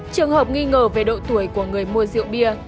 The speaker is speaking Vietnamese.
trường hợp nghi ngờ về độ tuổi của người mua rượu bia